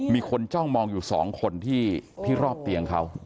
มีคนจ้องมองอยู่๒คนที่รอบเตียงเขา